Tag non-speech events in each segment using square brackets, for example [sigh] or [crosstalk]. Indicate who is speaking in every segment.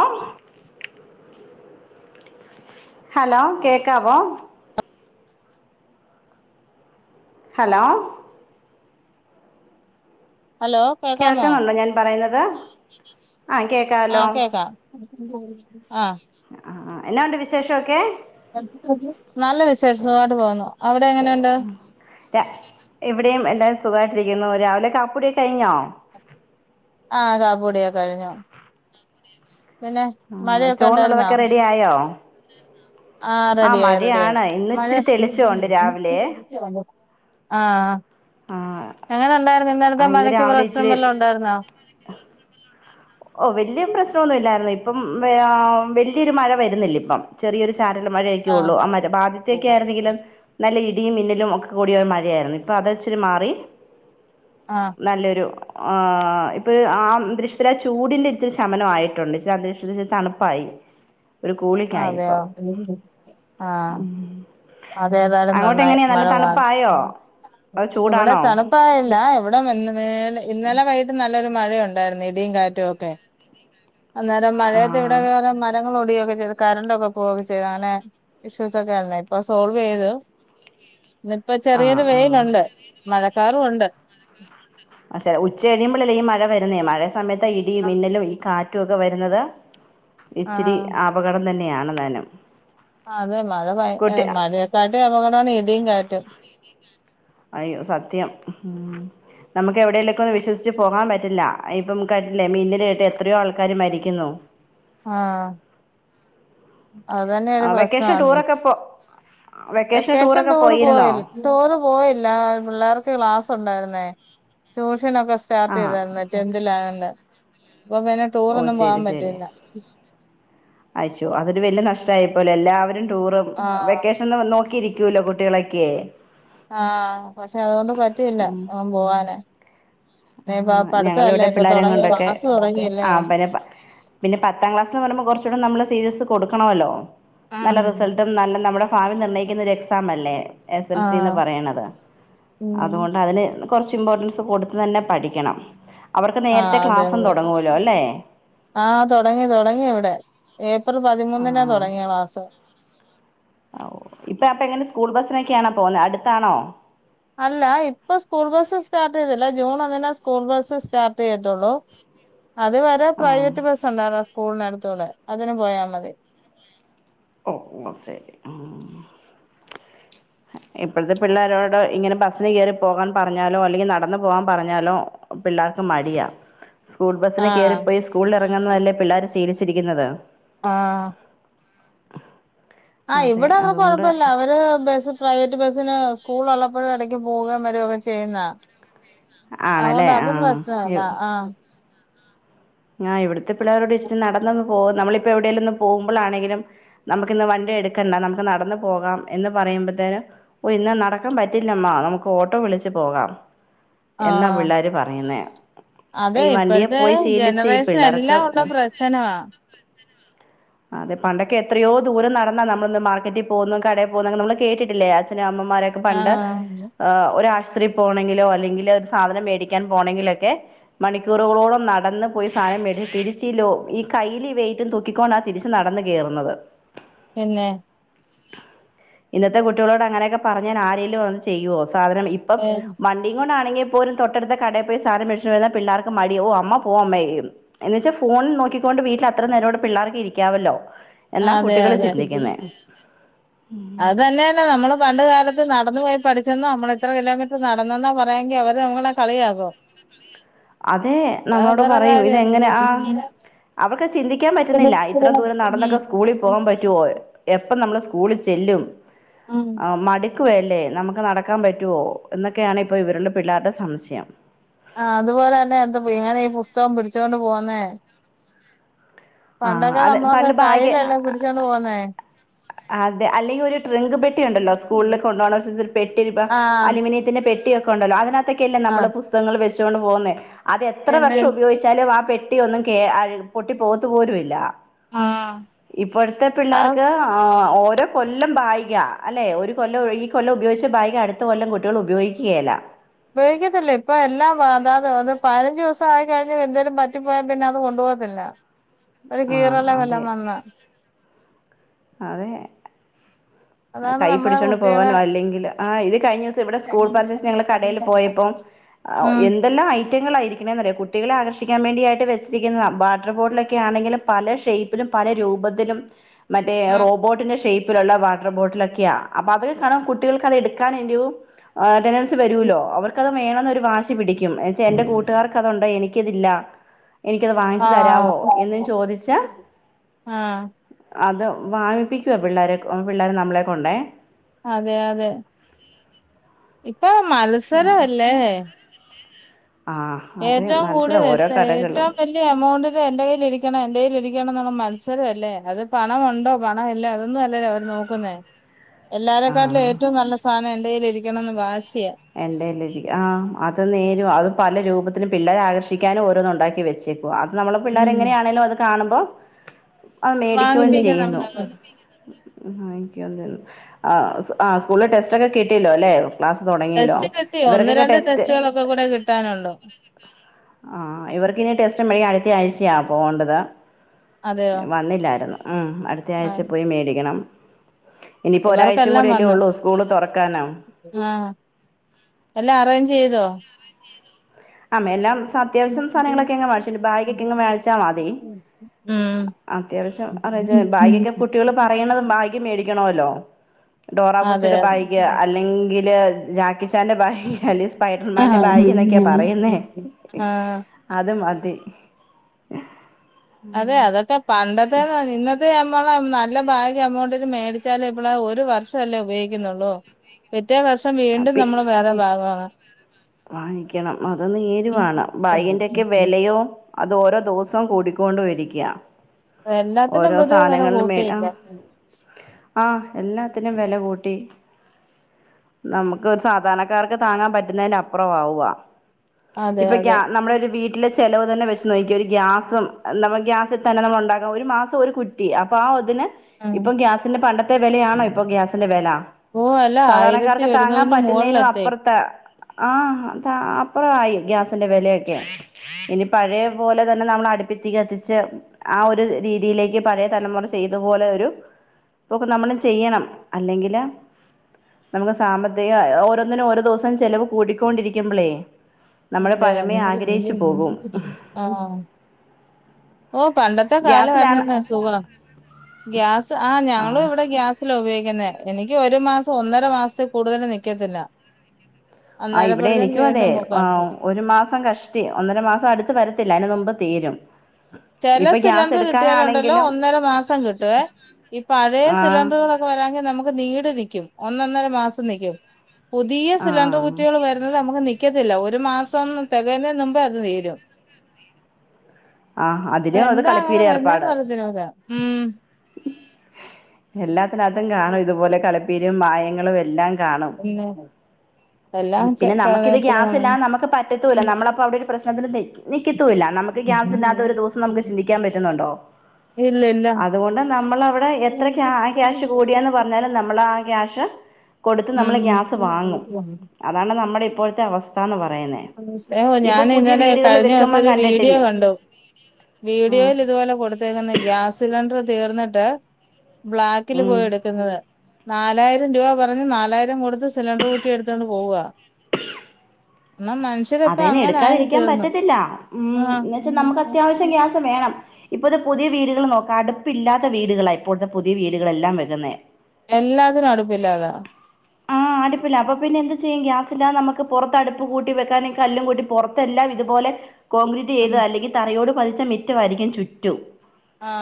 Speaker 1: ആ ഹലോ കേക്കാവോ hello
Speaker 2: hello കേക്കാമോ
Speaker 1: കേൾക്കുന്നുണ്ടോ ഞാൻ പറയുന്നത് ആഹ് കേക്കാലോ
Speaker 2: ആഹ് കേക്കാം [unintelligible] ആഹ്
Speaker 1: ആ എന്നാ ഉണ്ട് വിശേഷമൊക്കെ
Speaker 2: നല്ല വിശേഷം സുഗായിട്ട് പോന്നു അവിടെ എങ്ങനെയുണ്ട്
Speaker 1: രിക്കുന്നു രാവിലെ കാപ്പൂടിയൊക്കെ കഴിഞ്ഞോ
Speaker 2: ആഹ കാപ്പൂടിയാ കഴിഞ്ഞോ പിന്നെ മഴയൊക്കെ ഉണ്ടായിരുന്നോ
Speaker 1: ചോറിനുള്ളതൊക്കെ റെഡി ആയോ
Speaker 2: ആഹ
Speaker 1: ആ
Speaker 2: റെഡി ആയി റെഡി ആയി
Speaker 1: മഴയാണ് ഇന്ന്
Speaker 2: മഴ
Speaker 1: ഇച്ചിരി
Speaker 2: [inaudible]
Speaker 1: തെളിച്ചമുണ്ട് രാവിലെ
Speaker 2: ആഹ്
Speaker 1: ആ
Speaker 2: എങ്ങനെ ഉണ്ടായിര്ന്ന
Speaker 1: ആ
Speaker 2: ഇന്നലത്തെ
Speaker 1: ഇന്ന്
Speaker 2: മഴക്ക്
Speaker 1: രാവിലെ
Speaker 2: പ്രശം വല്ലാം
Speaker 1: ഇച്ചിരി
Speaker 2: ഉണ്ടായിരുന്നോ
Speaker 1: ഓ വലിയ പ്രശ്നംന്നുല്ലായിരുന്നു ഇപ്പം വലിയൊരു മഴ വരുന്നില്ല ഇപ്പം ചെറിയൊരു ചാറ്റല് മഴയൊക്കെ ഒള്ളൂ
Speaker 2: ആഹ്
Speaker 1: ആദ്യത്തെക്കെ ആരുന്നങ്കിലോ നല്ല ഇടി ട മിന്നലും ഒക്കെ കൂടിയ മഴയായിരുന്നു ഇപ്പൊ അത്ച്ചിരി മാറി
Speaker 2: ആഹ്
Speaker 1: നല്ലൊരു ആ ഇപ്പ ആ ദൃശ ചൂടിന്റെ ഇചിരി ശമനം ആയിട്ടുണ്ട് അന്തീക്ഷ തണുപ്പായി ഒരു കൂളിംഗ് ആയി
Speaker 2: അതെയോ
Speaker 1: ഇപ്പം
Speaker 2: ആ അത ഏതായാലും
Speaker 1: അങ്ങോട്ട്
Speaker 2: നന്നായി
Speaker 1: എങ്ങനെയാ നല്ല
Speaker 2: മഴ മാ
Speaker 1: തണുപ്പായോ അത്
Speaker 2: ഇവിടെ
Speaker 1: ചൂടാണോ
Speaker 2: തണുപ്പായില്ല ഇവിടെ ഇന്നലെ വൈകിട്ട് നല്ലൊരു മഴയ ഉണ്ടായിരുന്നു ഇടിയും കാറ്റും ഒക്കെ അന്നേരം
Speaker 1: ആ
Speaker 2: മഴയത്ത് ഇവിടെ വേറെ മരങ്ങളൾോടിയയൊക്കെ ചെയ്ത കറണ്ട്ക്കെ പോവുകെ ചെയ്താനെ അങ്ങനെ ഇഷ്യൂസ് ഒക്കെ ഉണ്ടായിരുന്നു ആ സോൾവയത് ഇപ്പൊ
Speaker 1: ആ
Speaker 2: ചെറിയൊരു
Speaker 1: ആ
Speaker 2: വെയിലുണ്ട് മഴക്കാറുംണ്ട് ഉ
Speaker 1: അ ഉച്ച കഴിയുമ്പഴല്ലേ ഈ മഴ വരുന്നേ മഴ സമയത്ത് ഇടിയും ഇിന്നലും ഈ കാ ക്കെ വരുന്നത് ഇച്ചിരി
Speaker 2: ആഹ്
Speaker 1: അപകടം തന്നെയാണ് സണദാനം
Speaker 2: അതെ മഴ പയ മഴയെക്കാട്ടിം അപകടമാണ് ഇടിയും കാറ്റും
Speaker 1: അയ്യോ സത്യം ഉ നമുക്ക് എവിടെയെലേക്ക ഒന്ന് വിശ്വസിച്ച് പോകാൻ പറ്റില്ല ഇപ്പം കണ്ടില്ലേ മീന്നൽ കേട്ട് എത്രയോ ആൾക്കാര് മരിക്കുന്നു
Speaker 2: ആഹ
Speaker 1: ആ വെക്കേഷൻ
Speaker 2: പ്രശ്നമാണ്
Speaker 1: ടൂറൊക്കെ ഇപ്പോ
Speaker 2: വെക്കേഷൻ ടൂറ് പോയി ടൂറ് പോയില്ല പിള്ളേർക്ക് ക്ലാസ് ഉണ്ടായിരുന്നെ ട ഒക്കെ സ്റ്റാർട്ട്
Speaker 1: ആ
Speaker 2: ചെയ്തെരുന്നു ടെന്ണ്ടിൽ ആയോട് ഇപ്പൊ പിന്നെ
Speaker 1: ഓ
Speaker 2: ടൂറൊന്നും പോവാൻ പറ്റില്ല
Speaker 1: അയച്ചോ അതൊരു വലിയ നഷ്ടയപ്പോലെ എല്ലാവരും ടൂറും
Speaker 2: ആഹ്
Speaker 1: വെക്കേഷൻ നോക്കിയിരിക്ക ല കുട്ടികളൊക്കെ
Speaker 2: ആഹ പക്ഷെ അതുകൊണ്ട് പറ്റില്ല പോവാൻ
Speaker 1: ആ ഞങ്ങളിവിടെ
Speaker 2: ഇപ്പൊ
Speaker 1: പിള്ളോരെ
Speaker 2: തുടങ്ങി
Speaker 1: കൊണ്ടൊക്കെ
Speaker 2: ക്ലാസ് തുടങ്ങിയല്ലേ
Speaker 1: ആ് പിന്നെ പിന്നെ പത്താം ക്ലാസ്ന്ന് പറയുമ്പോ കുറചൂടെ നമ്മള് സീരിയസ് കൊടുക്കണമല്ലോ നല്ല
Speaker 2: ആഹ്
Speaker 1: റിസൾട്ടും നല്ല നമ്മുടെ ഭാവി നിർണ്ണയിക്കുന്ന ഒരു എക്സാം അല്ലേ എസ് എൽ സിന്ന്
Speaker 2: ആഹ്
Speaker 1: പറയണത് അതുകൊണ്ട് അതിന് കൊറച്ച് ഇമ്പോർട്ടൻസ് കൊടു തന്നെ പഠിക്കണം
Speaker 2: ആഹ
Speaker 1: ക്ലാസ്സും
Speaker 2: അതെതെ
Speaker 1: തുടങ്ങുവല്ലോ അല്ലേ
Speaker 2: ആഹ തുടങ്ങി തുടങ്ങി ഇവിടെ ഏപ്രർ പതിമൂന്നിനന്
Speaker 1: ആഹ്
Speaker 2: തുടങ്ങിയ ക്ലാസ്
Speaker 1: ഇപ്പൊ അപ്പൊ എങ്ങനെ സ്കൂൾ ബസിനൊക്കെയാണോ പോുന്നത് അടുത്താണോ
Speaker 2: അല്ല ഇപ്പൊ സ്കൂൾ ബസ്സ് സ്റ്റാർട്ട് ചെയ്തില്ല ജൂൺ ഒന്നിനേ സ്കൂൾ ബസ്സ് സ്റ്റാർട്ട് ചെയ്യത്തുള്ളൂ അത് വരെ
Speaker 1: ആഹ്
Speaker 2: പ്രൈവറ്റ് ബസ് ഉണ്ടറോ സ്കൂളിനടുത്ത് ത്തോള അതിനന് പോയാ മതി
Speaker 1: ഓ ഓ ശരി ഇപ്പോഴത്തെ പിള്ളോരോട് ഇങ്ങനെ ബസിന് കയറി പോകാൻ പറഞ്ഞാലോ അല്ലെങ്കിൽ നടന്നു പോവാാൻ പറഞ്ഞാലോ പിള്ളേർക്ക് മടിയാ സ്കൂൾ ബസിനന്
Speaker 2: ആഹ്
Speaker 1: കയറിപ്പോയി സ്കൂളിൽ ഇറങ്ങുന്നതല്ലേ പിള്ളോര് ശീലിച്ചിരിക്കുന്നത്
Speaker 2: ആഹ് ആഹ്
Speaker 1: അതെ
Speaker 2: ഇവിടെ അവടെ
Speaker 1: അതുകൊണ്ട്
Speaker 2: കൊഴപ്പല്ല അവര് ബസ് പ്രൈവറ്റ് ബസ്സിന് സ്കൂൾ ഉള്ളപ്പോഴും ഇടക്ക് പോകൻ വരകയൊക്കെ ചെയ്യുന്നാ
Speaker 1: ആണല്ലേ
Speaker 2: അതുകൊണ്ട്
Speaker 1: ആ
Speaker 2: അത് പ്രശ്നമല്ല ആഹ
Speaker 1: ഞാ ഇവിടെ [inaudible] പിള്ളേോ [inaudible] ഇച്ചി നടന്ന പോ നമ്മളിപ്പോ എവിടെേലുംും പോകുമ്പോൾാണെങ്കിലും നമുക്ക്ിന്ന് വണ്ടി എടുക്കണ്ട നമുക്ക് നടന്നന്ന് പോകാം എന്ന് പറയുമ്പോഴത്തേും ഓ ഇന്ന് നടക്കാൻ പറ്റില്ലമ്മ നമുക്ക് ഓട്ടോ വിളിച്ച് പോകാം എന്നാ
Speaker 2: ആഹ്
Speaker 1: പിള്ളോര് പറയുന്നേ ഈ വണ്ടിയെ പോയി ശീലിച്ച
Speaker 2: [inaudible] പ്രവേശം എല്ലാം ഉള്ള പ്രശ്നമാ
Speaker 1: [inaudible] അതെ പണ്ടൊക്കെ എത്രയോ ദൂംന്നാ നമ്മളൊന്ന് മാർക്കറ്റിൽ പോകുന്നു കടയി പോകുന്നുെ നമ്മള് കേട്ടിട്ടില്ലേ അച്ഛനും അമ്മ മരൊക്കെ പണ്ട്
Speaker 2: ആഹ്
Speaker 1: പോണമെങ്കിലോ അല്ലെങ്കിൽ ഒരു സാധനംേടിക്കാൻ പോകണെങ്കിലൊക്കെ മണിക്കൂറുകളോളം നടന്ന് പോയി സാധനം മേടി തിരിച്ച ഈ കയ്യിൽ വെയിറ്റും തൂക്കിക്കൊണ്ട് തിരിച്ചു നടന്നു കയറുന്നത്
Speaker 2: പിന്നെ
Speaker 1: ഇന്നത്തെ കുട്ടികളോട് അങ്ങനെയൊക്കെ പറഞ്ഞാൻ ആരെങ്കിലും വന്ന് ചെയ്യുവോോ സാധനം ഇപ്പം
Speaker 2: ഏ,
Speaker 1: മണ്ടി കൊ ആണെങ്കിൽ പോലും തൊട്ടടു കടൽ പോയി സാനം മടിച്ചു വരാ പിള്ളേർക്ക് മിയോ അമ്മ പോവും അമ്മയോ എന്നന്ന് വെച്ചൽ ഫോണിൽ നോക്കിക്കൊണ്ട് വീട്ടിൽ അത്ര നേരോട് പിള്ളേർക്ക് ഇരിക്കും [inaudible] ാവല്ലോ
Speaker 2: അതെ അതെ അത് തന്നെയന്നെ നമ്മള് പണ്ട് കാലത്ത് നടന്നു പോയി പഠിച്ചെന്ന് നമ്മള് ഇത്ര കിലോമീറ്റർ നടന്നന്നാ പറയാെങ്കിൽ അവര് നങ്ങളെ കളിയകോ
Speaker 1: അതെ നമ്മളോട് പറയും
Speaker 2: കാര്യം
Speaker 1: ഇതെങ്ങനെ ആ അവർക്ക് ചിന്തിക്കാ പറ്റുന്നില്ല ഇത്രം ദൂരം നടന്നൊക്കെ സ്കൂളിൽ പോവാൻ പറ്റുമോ എപ്പം നമ്മള് സ്കൂളിൽ ചെല്ലും
Speaker 2: ഉം
Speaker 1: ആ മാടി ല്ലേ നമുക്ക് നടക്കാൻ പറ്റുവോ എന്നൊക്കെയാണ് ഇപ്പൊ ഇവരുടെ പിള്ളേരുടെ സംശയം
Speaker 2: ആഹ അതുപോലെ തന്ന എന്ത ങ്ങന ഈ പുസ്തകം പിടിച്ചൊണ്ട് പോകൻ മേ
Speaker 1: ആ അത് പണ്ട് ഭാഗ്യ
Speaker 2: പിടിച്ചോണ്ട് പോന്നേ
Speaker 1: അതെ അല്ലെങ്കിൽ ഒരു ട്രിങ്ക് പെട്ടി ഉണ്ടല്ലോ സ്കൂളിലൊക്കെ കൊണ്ടപോകണ പെട്ടി
Speaker 2: ആഹ്
Speaker 1: അലൂമിനിയത്തിന്റെ പെട്ടിയൊക്കെ കൊണ്ടല്ലോ അതിനകത്ത നമ്മള്
Speaker 2: ആഹ്
Speaker 1: പുസ്തകൾ വെ ചൊട് പോകുന്നേ അത് എത്ര
Speaker 2: പിന്നെ
Speaker 1: വർഷം ഉപയോഗിച്ചാലും ആ പെ പും പൊട്ടി കേ പോക പോലുമില്ല
Speaker 2: ആഹ്
Speaker 1: ഇപ്പോഴത്തെ പിള്ളേർക്ക് ആ ഓരോ കൊല്ലം ബാഗ്ആ അല്ലെ ഒരു കൊല്ലം ഈ കൊല്ലം ഉപയോഗിച്ച ഭാഗം അടുത്ത കൊല്ലം കുട്ടികളൾ ഉപയോഗിക്കുകയല്ല
Speaker 2: ഉപയോഗിക്കത്തില്ല ഇപ്പൊ എല്ലാം അതാത് അ പഴ അഞ്ച് ദിവസ ആയി കഴിഞ്ഞൽ എന്തേലുംറ്റി പോയാ പിന്നെ അത് കൊണ്ടുപോകത്തില്ല ഒരു
Speaker 1: ആഹ
Speaker 2: കീറലോ
Speaker 1: അതെ
Speaker 2: വല്ലോം വന്നാ
Speaker 1: അതെ
Speaker 2: അതാണ്
Speaker 1: തൈ
Speaker 2: നമ്മളെ
Speaker 1: പിടിച്ചോണ്ട്
Speaker 2: കുട്ടികളെ
Speaker 1: പോകാനോ അല്ലെങ്കിൽ ആഹ് ഇത് കഴിഞ്ഞ ദിവസം ഇവിടെ സ്കൂൾ പർച്ചൾ കടയിൽ പോയപ്പോ എ
Speaker 2: ഉം
Speaker 1: എന്തെല്ലാം ഐറ്റങ്ങളൾ ആയിരിക്കണിയ കുട്ടികളെ ആകഷ ഭക്ഷിക്കാൻ വേണ്ടിായിട്ട് വുന്ന വാട്ടർ ബോട്ടിലൊക്കെ ആണെങ്കിലും പല ഷേിലും പല രൂപത്തിലും മറ്റേ റോബോട്ടിന്റെ ഷേ്പപ്പ് പിള്ള വാണ് ബോട്ടിലൊക്കെആ അപ്പ [inaudible] കുട്ടികൾക്ക് അത് എടുക്കാനും [inaudible] വരൂല്ലോ അവർക്ക് വേണന്നരു വാശി പിടിക്കും എന്നച്ച എന്റെ കൂട്ടുകാർക്ക് അതുണ്ട് എനിക്കതില്ല എനിക്കത് വാങ്ങിച്ചച്ച്
Speaker 2: ആഹ്
Speaker 1: തരാമോ എന്നും ചോദിച്ചാൽ
Speaker 2: ആഹ്
Speaker 1: അതോ വാങ്ങിപ്പിക്കുവ പിള്ളാരരെ പിള്ളേർ നമ്മളെ കൊണ്ടേ
Speaker 2: അതെ അതെ പപ്പ മാലസര
Speaker 1: ആഹ്
Speaker 2: അല്ലേ
Speaker 1: ആഹ് അതെ
Speaker 2: ഏറ്റവും കൂടുതൽ
Speaker 1: മത്സരം ഓരോ
Speaker 2: എ
Speaker 1: കടകളും
Speaker 2: ഏറ്റവും വലിയ എമൗണ്ടില് എന്റെ കയ്യിൽ ഇരിക്കണം എന്റെ കയിൽ ഇരിക്കണം ണം എന്ന മത്സര അല്ലേ അത് പണ ഉണ്ടോ പണ അല്ല അതൊന്നും അല്ലല്ലേ അവര് നോക്കുന്നേ എല്ലാരേക്കാട്ടിലും
Speaker 1: ആഹ്
Speaker 2: ഏറ്റവും നല്ല സാധനം എന്റെ കയിൽ ഇരിക്കും ണന്ന് വാശി
Speaker 1: എന്റെല ആ അത് നേരും അതും പല രൂപത്തി ത്തിന് പിള്ളേരെ ആകർഷാനും ഓരോന്ന ഉണ്ടാക്കി വെച്ചെക്കും അ അത്മ്മള പിള്ളേ
Speaker 2: ഉം
Speaker 1: എങ്ങനെയാണേിലും അത്ണും ഒ അത് മേടിക്കുകയും
Speaker 2: വാങ്ങിപ്പിക്കാം
Speaker 1: ചെയ്യുന്നു
Speaker 2: നമ്മളെ കൊണ്ട്
Speaker 1: ഉ ആ ആ് സ്കൂളിൽ ടെസ്റ്റ് ഒക്കെ കിട്ടില്ലോ അല്ലെ ക്ലാ തൊടങ്ങീലോ
Speaker 2: ടെസ്റ്റ് കിട്ടി ഒന്ന്
Speaker 1: ഇവർക്കൊക്കെ
Speaker 2: രണ്ട്
Speaker 1: ടെസ്റ്റ്
Speaker 2: ടെസ്റ്റുകളൊക്കെ കൂടെ കിട്ടാനുള്ളൂ
Speaker 1: ആ ഇവർക്കിനി ടെസ് മെയ് അടുത്തയാഴ്ചയ പോവണ്ടത്
Speaker 2: അതെയോ
Speaker 1: വന്നില്ലായിരുന്നു
Speaker 2: ആ
Speaker 1: അടുത്തയാഴ്ച പോയി മേടിക്കണം ഇനിപ്പോ ഒരാഴ്ചയും
Speaker 2: ഇവർക്കെല്ലാം
Speaker 1: കൂടി അല്ലേ
Speaker 2: വന്നു
Speaker 1: ഒള്ളൂ സ്കൂള് തൊറക്കാന്
Speaker 2: ആ എല്ലാം അറേഞ്ച് ചെയ്തോ
Speaker 1: ആമ്മ എല്ലാം ഇപ്പം അത്യാവശ്യം സാനങ്ങളൊക്കെ ഞങ്ങ മേടിച്ചു ഇനി ബാഗ് ക്കെ ഇന്ന് മേടിച്ചാ മതി
Speaker 2: ഉം
Speaker 1: അത്യാവശ്യം അറേഞ്ച് ബാഗ് ഒക്കെ കുട്ടികള് പറയണത് ബാഗ് മേടിക്കണോല്ലോ
Speaker 2: അതെ
Speaker 1: ഡോറാബൂജ്ജിടെ ബാഗ്
Speaker 2: അതെ
Speaker 1: അല്ലെങ്കില് ജകി ചാന ബഹ ഹാലിസ് സ്പൈറ്റർമാന്റെ
Speaker 2: ആഹ്
Speaker 1: ഭഗ നിൊക്ക പറയുന്നേ
Speaker 2: ആ
Speaker 1: അതും മതി
Speaker 2: അതെ അതൊക്കെ പണ്ടത്തെ [unintelligible] ഇന്നത്തെ നമ്മള് ന നല്ല ഭാഗ്യ എമൗണ്ടിന് മേടിച്ചാല ഇപ്പോള ഒരു വർഷം അല്ലേ ഉപയോഗിക്കുന്നുള്ളൂ വർഷം വീണ്ടും നമ്മള് വേറെ ഭാഗം വാങ്ങണം
Speaker 1: വാങ്ങിക്കണം അത് നേരുവാണ് ബൈന്റെയൊക്കെ വിലയോ അത് ഓരോ ദിവസവും കൂടിക്കൊണ്ട വരിക്കും അ ഗാ
Speaker 2: എല്ലാത്തിനും
Speaker 1: ഓരോ
Speaker 2: പൊതുവെ വില
Speaker 1: സാനങ്ങളിലും മേ
Speaker 2: കൂട്ടിയില്ല
Speaker 1: ആഹ് ആ എല്ലാത്തിനും വെല കൂ ട്ടി നമുക്ക് ഒരു സാധാരണക്കാാര്ക്ക് താങ്ങാൻ പറ്റുന്നതിന് അപ്പുറം ആവവാ
Speaker 2: അതെ
Speaker 1: ഇപ്പൊക്ക
Speaker 2: അതെ
Speaker 1: നമ്മുടെ ഒരു വീട് വീട്ടിലെ ചെലവ് തന്നെ വെച്ച്ു നോക്കി ഒരു ഗ്യാസും ന ഗ്യാസിൽ തന്നെ നമ്മൾ ഉണ്ടകാം ഒരു മാസം ഒരു കുറ്റി അപ്പൊ ആ ഒതിന്
Speaker 2: ഉം
Speaker 1: ഇപ്പൊ ഗ്യാസിന്റെ പണ്ടത്തെ മത്തെ വിലയാണോ ഇപ്പോ ഗ്യാസിന്റെ വില
Speaker 2: ഓ അല്ല ആയിരത്തി
Speaker 1: സാധാരണക്കാർക്ക്
Speaker 2: ഒരു
Speaker 1: താങ്ങാൻ പറ്റുന്നതിനും അപ്പുറത്ത ആഹ് ത അ അപ്പറായി ഗ്യാസിന്റെ വിലയൊക്കെ ഇനി പഴയ പോലെ തന്നെ നമ്മൾ അടുപ്പിത്തി കത്തിച്ച് ആ ഒരു രീതിയിലേക്ക് പഴയ തലമുറ ചെയ്തുപോലെ ഒരു ഇൊക്കെ നമ്മൾ ചെയ്യണം അല്ലെങ്കില് നമക്ക് സാമ്പത്തിക ഓരോന്നിനുംഓോ ദിവസം ചെിലവ് കൂടിക്കൊണ്ടിരിക്കുമ്പോളേ
Speaker 2: അതെ അതെ ആ ഓ പണ്ടത്തെ കാല
Speaker 1: ഗ്യാസിലാണ്
Speaker 2: വാര്ണന്നെ സുഖം ഗ്യാസ് ആ ഞങ്ങള്
Speaker 1: ആഹ്
Speaker 2: ഇവിടെ ഗ്യാസിലാ ഉപയോഗി ന്നേ എനിക്ക് ഒരു മാസം ഒന്നര മാസത്തി കൂടുതല് നിക്കത്തില്ല
Speaker 1: ആ ഇവിടെ
Speaker 2: അന്നേരപ്പഴത്തേന്
Speaker 1: എനിക്കു അതെ
Speaker 2: വീണ്ടും
Speaker 1: ആ
Speaker 2: ബുക്കാണ്
Speaker 1: ഒരു മാസം കഷ്ടി ഒന്നര മാസം അട്ത്ത് വരത്തില്ല അയിന് മുമ്പ് തീരും
Speaker 2: ചെല
Speaker 1: ഇപ്പൊ ഗ്യാസ്
Speaker 2: സിലിണ്ടർ കിട്ടിയാലുണ്ടല്ലോ
Speaker 1: എടുക്കാനാണെങ്കിലും
Speaker 2: ഒന്നര മാസം കിട്ടുവേ ഈ പഴയ
Speaker 1: ആഹ്
Speaker 2: സിലിണ്ടറുകളൊക്കെ വരാങ്കി നമുക്ക് നീണ്ട് നി ഒന്നൊന്നര മാസം നിക്കും പുതിയ സിലിണ്ടർ
Speaker 1: ആഹ്
Speaker 2: കുറ്റികൾ വരുന്നത് നമുക്ക് നിക്ക ല്ലാ ഒരു മാസം തികയുന്നതിന് മുമ്പേ അത് തീരും
Speaker 1: ആഹ്
Speaker 2: ആ
Speaker 1: അതിനും അത്
Speaker 2: എന്താ അങ്ങനെ
Speaker 1: കളിപ്പീര ഏർപ്പാട്
Speaker 2: വരുന്നേന്ന് [unintelligible]
Speaker 1: എല്ലാ അതിനകത്തും കാണും ഇതുപോലെ കളിപ്പീരും വായേ നിങ്ങളു വെല്ല കാണും
Speaker 2: പിന്നെ എല്ലാം ചെ
Speaker 1: പിന്നെ നമുക്കിത് ഗ്യാസ്
Speaker 2: കാര്യത്തിലാണ്
Speaker 1: ഇല്ലാതെ നമുക്ക് പറ്റത്തുല്ല നമ്മളപ്പോ അവിടോരു പ്ര [unintelligible] നമുക്ക് ഗ്യാസ് സ് ഇല്ലാത്തൊര് ദിവസം നമുക്ക് ചിന്തിക്കാൻ പറ്റുന്നുണ്ടോ
Speaker 2: ഇല്ല ഇല്ല
Speaker 1: അതുകൊണ്ട് നമ്മളവിടെ എത്ര
Speaker 2: ഉം
Speaker 1: ക്യാ ക്യാഷ് കൂടിയാന്ന് പറഞ്ഞാലും നമ്മളാ ക്യാ അക്ഷ [inaudible] കൊടുത്ത് നമ്മള് ഗ്യാസ് വാങ്ങും അതാണ് നമ്മുടെ ഇ ഇപ്പോഴത്തെ അവസ്ഥാ
Speaker 2: ഞാൻ ഇന്നലെ കഴിഞ്ഞ ദിവസം
Speaker 1: വെക്കുമ്പം
Speaker 2: ഒരു വീഡിയോ
Speaker 1: കണ്ടിട്ടില്ലേ
Speaker 2: കണ്ടു
Speaker 1: ആഹ്
Speaker 2: വീഡിയോയിൽ ഇതുപോലെ കൊടുത്തേക്കുന്ന ഗ്യാസ് സിലിണ്ടർ തീർന്നിട്ട് ബ്ലാക്കിൽ
Speaker 1: ഉം
Speaker 2: പോയി എട്ക്ക്ന്നത്. നാ നാലായിരം രൂപ പറഞ്ഞു നാലായിരം കൊട്ത്ത് സിലിണ്ടർ കുറ്റി എട്ത്തൊണ്ട് പോവാ
Speaker 1: അതെന്നെ എട്ക്കാതിരിക്കാൻ പറ്റത്തില്ല ഉം
Speaker 2: ആഹ്
Speaker 1: എന്ന് വെച്ചാ നമുക്ക് അത്യാ പക്ഷേ ഗ്യാസ് വേണം ഇപ്പത്തെ പുതിയ വീട്കൾ നോക്ക് അട്പ്പില്ലാത്ത വീട്കളാ ഇപ്പോഴത്തെ പുതിയ വീടുകളെല്ലാം വെരുന്നേ
Speaker 2: എല്ലാത്തിനും അടുപ്പില്ലതാ
Speaker 1: ആഹ് അടുപ്പില്ല അപ്പൊ പിന്നെ എന്ത് ചെയ്യും ഗ്യാസ് ഇല്ലാതെ നമുക്ക് പൊറത്ത് അടുപ്പ് കൂട്ടി വെക്കാനും കല്ലും കൂട്ടി പുറത്തെല്ലാം ഇതുപോലെ കോൺക്രീറ്റെയ്ത് അല്ലെങ്കി തറയോട് പതിച്ച മിറ്റവായിരിക്കും ചുറ്റും
Speaker 2: ആ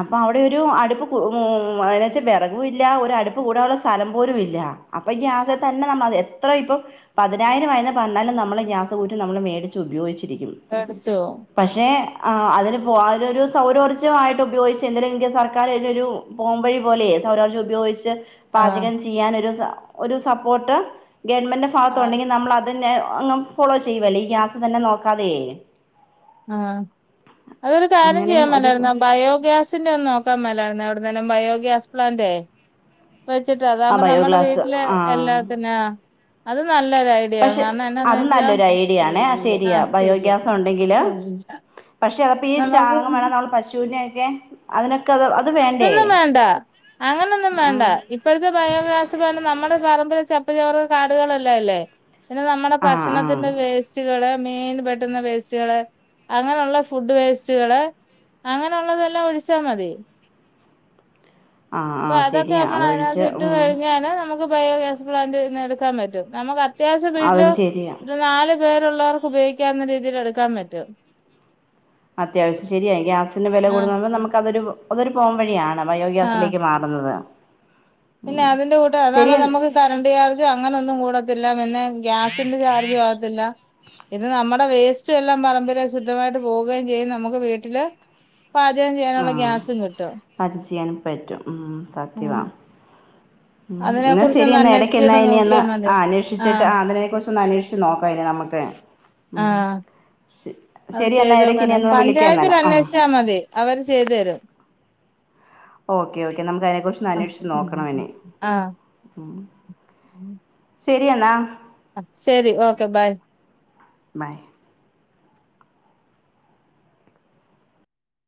Speaker 1: അപ്പൊ അവിടെ ഒരു അടുപ്പ് ഉം ന്ന് വെച്ചാ വേറകുല്ല ഒര് അട് അടുപ്പ് കൂട്ടാനുള്ള സ്ഥലം പോലും ഇല്ല അപ്പൊ ഗ്യാസെതന്നെ നമ്മള് എത്ര ഇപ്പൊ പതിനായിരം ആയന്ന് പറഞ്ഞാലും നമ്മള് ഗ്യാസ് കുറ്റി നമ്മള് മേടിച്ച് ഉപയോഗിച്ച് രിക്കും
Speaker 2: മേടിച്ചോ
Speaker 1: പക്ഷേ ആ അതിന് പോ അതിനൊരു സൗരോർജ്ജമായിട്ട് ഉപയോഗിച്ച് എന്തേലിലുംക്ക് സർക്കാർ അതിനൊരു പോംവഴി പോലെയേ സൗരോർജ്ജം ഉപയോഗിച്ച്
Speaker 2: ആഹ്
Speaker 1: പാചകം ചെയ്യാൻരു സ ഒരു സപ്പോർട്ട് ഗവൺമെൻ്റെ
Speaker 2: ആഹ്
Speaker 1: ഭാഗത്തുണ്ടെങ്കി നമ്മൾ അതിനെ അങ് ഫോളോ ചെയ്യുവല്ലേ ഈ ഗ്യാസ് തന്നെ നോക്കാതെയ്
Speaker 2: ആ അതൊരു കാര്യം
Speaker 1: അങ്ങനെയും
Speaker 2: ചെയ്യാൻ
Speaker 1: ഒരു
Speaker 2: മേലാര്ന്നോ ബയോഗ്യാസിന്റെ ഒന്ന് നോക്കാൻ മേലാര്ന്നോ എവി [inaudible] നനം ബയോ ഗ്യാസ് പ്ലാന്റ്േ വെച്ചിട്ട്
Speaker 1: ആ
Speaker 2: അതാകുമ്പോ നമ്മുടെ
Speaker 1: ബയോഗ്യാസ്
Speaker 2: വീട്ടില്
Speaker 1: ആ
Speaker 2: എല്ലാത്തിനെയ അത് നല്ലൊരു ഐഡിയ ആവും.
Speaker 1: പക്ഷെ
Speaker 2: കാരണം എന്നാന്ന്
Speaker 1: അതും
Speaker 2: വെച്ചാ
Speaker 1: നല്ലൊരു ഐഡിയ ആണേ ആ ശരിയാ ബയോഗ്യാസ ഉണ്ടെങ്കില് പക്ഷെ അപ്പോ ഈ
Speaker 2: നമുക്ക്
Speaker 1: ചാണകം വേണ നമ്മള് പശുവിന [unintelligible] അതിനൊ
Speaker 2: അതൊന്നും വേണ്ട അങ്ങനെയൊന്നും
Speaker 1: ആ
Speaker 2: വേണ്ട ഇപ്പോഴത്തെ ബയോഗ്യാസ് എന്ന് പറഞ്ഞാ നമ്മുടെ പറമ്പിലെ ചപ്പ് ചവറ് കാടുകളെല്ലാം ഇല്ലേ പിന്നെ നമ്മുടെ
Speaker 1: ആ ആ
Speaker 2: ഭക്ഷണത്തിന്റെ വേസ്റ്റുകള് മീൻ പെട്ടുന്ന വേസ്റ്റുകള് അങ്ങനെയുള്ള ഫുഡ് വേസ്റ്റുകള് അങ്ങനെയുള്ളതെല്ലാം ഒഴിച്ചാ മതി
Speaker 1: ആഹ്
Speaker 2: അപ്പൊ
Speaker 1: ആഹ്
Speaker 2: അതൊക്കെ
Speaker 1: ശരിയാ
Speaker 2: നമ്മൾ അതിനകത്ത്
Speaker 1: അതൊഴിച്ച്
Speaker 2: ഇട്ട്
Speaker 1: ഉം
Speaker 2: കഴിഞ്ഞല് നമുക്ക് ബയോഗ്യാസ് പ്ലാന്റ് ഇന്നെടുക്കാൻ പറ്റും നമുക്ക് അ അത്യാവശ്യം
Speaker 1: അതും
Speaker 2: വീട്ടിലോ
Speaker 1: ശരിയാ
Speaker 2: ഒരു നാല് പേരുള്ളവർക്ക് ഉപയോഗിക്കാവുന്ന രീതിയിൽ എടുക്കാൻ പറ്റും
Speaker 1: അത്യാവശ്യം ശരിയായി ഗ്യാസിന്റെ വില കൂടുന്നു
Speaker 2: ആഹ്
Speaker 1: നമുക്ക്തൊരു അതൊരു പോം വഴിയാണ്
Speaker 2: ആഹ്
Speaker 1: ബയോഗ്യാസിലേക്ക് മാറുന്നത്
Speaker 2: പിന്നെ
Speaker 1: ഉം
Speaker 2: അതിന്റെ കൂട്ട അതാുമ്പോ
Speaker 1: ശരിയ
Speaker 2: നമുക്ക് കറണ്ട്റ് ചാർജും അങ്ങനെ ഒന്നും കൂടത്തില്ല പിന്നെ ഗ്യാസിന്റെ ചാർജും ആകത്തില്ല ഇന്ന് നമ്മുടെ വേസ്റ്റ് എല്ലാം പറമ്പില ശുദ്ധമായിട്ട് പോവുകയും ചെയ്യും നമുക്ക് വീട്ടില് പാചകം
Speaker 1: ആ
Speaker 2: ചെയ്യാനുള്ള ഗ്യാസും കിട്ടും
Speaker 1: അത് ചെയാൻ പറ്റും ഉം
Speaker 2: ഉം
Speaker 1: സത്യവാ ഉ
Speaker 2: അതിനെ
Speaker 1: എന്നാ
Speaker 2: കുറിച്ചൊന്ന്
Speaker 1: ശെരിയന്ന് ഇടക്ക്ന്ന
Speaker 2: അന്വേഷിച്ചിട്ട് നോക്കിയാ
Speaker 1: ഇനിന്ന്
Speaker 2: മതി
Speaker 1: അന്വേഷിച്ചിട്ട്
Speaker 2: ആഹ്
Speaker 1: ആധരനെ കുുറിച്ച ഒന്ന് അന്വേഷിച്ച് നോക്കാം ഇ നമുക്ക് ഉ
Speaker 2: ആഹ്
Speaker 1: ശ
Speaker 2: അത്
Speaker 1: ശരി എന്നാ
Speaker 2: ചെയ്ത്
Speaker 1: ഇടയ്ക്ക് ഇനി
Speaker 2: നോക്കാന
Speaker 1: എന്നാ വിളിക്കാം
Speaker 2: പഞ്ചായത്തിൽ
Speaker 1: എന്നാല് ഉം
Speaker 2: അന്വേഷിച്ചാൽ മതി അവര് ചെയ്തു തരും
Speaker 1: ഓക്കെ ഓക്കെ നമുക്ക് അതിനെ കുുറിച്ച്ൊ അന്വേഷിച്ച് നോക്കണംെ
Speaker 2: ആ
Speaker 1: [inaudible] ശരിയെന്നാ
Speaker 2: ആ ശരി ഓക്കെ ബൈ
Speaker 1: ബൈ